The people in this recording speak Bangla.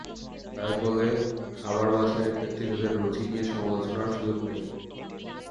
তাই বলে খাবার বাছাইয়ের ক্ষেত্রে তাদের রুচি নিয়ে সমালোচনার সুযোগ নেই।